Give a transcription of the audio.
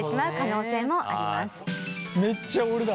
めっちゃ俺だ。